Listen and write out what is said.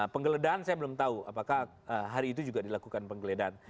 penggeledahan saya belum tahu apakah hari itu juga dilakukan penggeledahan